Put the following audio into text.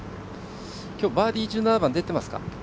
きょう、バーディー１７番出てますか？